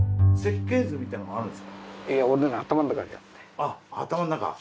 あっ頭の中。